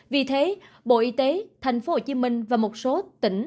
vì thế bộ y tế thành phố hồ chí minh và một số nhà doanh nghiệp đã đạt được tỷ lệ này